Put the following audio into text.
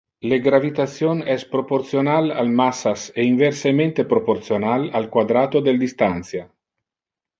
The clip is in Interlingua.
Le gravitation es proportional al massas e inversemente proportional al quadrato del distantia.